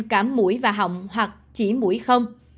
cả mũi và họng hoặc chỉ mũi không